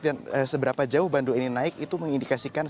dan seberapa jauh bandul ini naik itu mengindikasikan